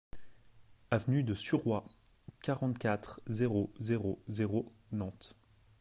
Avenue de Suroit, quarante-quatre, zéro zéro zéro Nantes